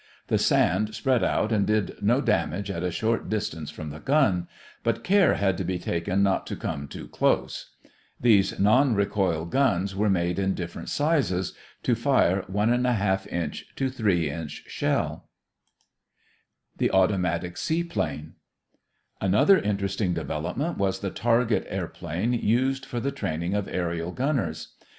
The sand spread out and did no damage at a short distance from the gun, but care had to be taken not to come too close. These non recoil guns were made in different sizes, to fire 1 1/2 inch to 3 inch shell. THE AUTOMATIC SEAPLANE Another interesting development was the target airplane used for the training of aërial gunners.